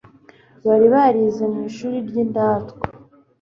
bari barize mu ishuri ry'indatwa